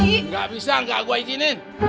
tidak bisa nek saya izinkan